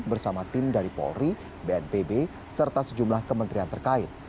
bersama tim dari polri bnpb serta sejumlah kementerian terkait